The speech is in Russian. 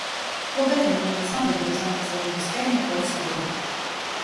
Луга тянулись до самого горизонта, словно бескрайнее поле свободы.